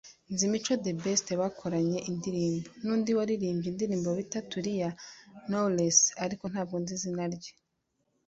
“Nzi Mico The Best (bakoranye indirimbo) n’undi waririmbye indirimbo bita Tulia (Knowless) ariko ntabwo nzi izina rye”